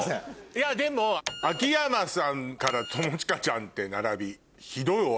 いやでも秋山さんから友近ちゃんって並び。